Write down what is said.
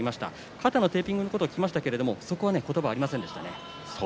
肩のテーピングも聞きましたがそこは言葉がありませんでした。